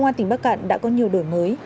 quan tỉnh bắc cạn đã có nhiều đổi mới